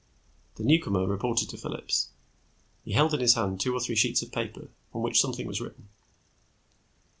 The newcomer reported to Phillips. He held in his hand two or three sheets of paper on which something was written.